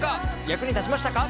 役に立ちましたか？